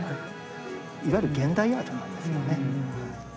いわゆる現代アートなんですよね。